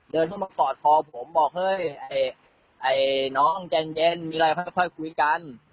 เดินเข้ามากอดคอผมบอกเฮ้ยน้องใจเย็นมีอะไรค่อยคุยกัน